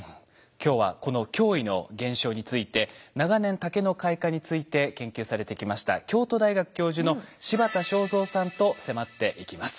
今日はこの驚異の現象について長年竹の開花について研究されてきました京都大学教授の柴田昌三さんと迫っていきます。